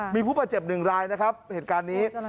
มีผู้บาดเจ็บหนึ่งรายนะครับเหตุการณ์นี้